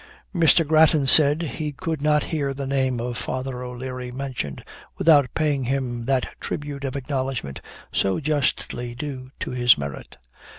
"Mr. Grattan said, he could not hear the name of Father O'Leary mentioned without paying him that tribute of acknowledgment so justly due to his merit.